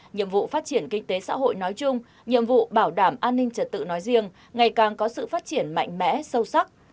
nhiệm vụ phát triển kinh tế xã hội nói chung nhiệm vụ bảo đảm an ninh trật tự nói riêng ngày càng có sự phát triển mạnh mẽ sâu sắc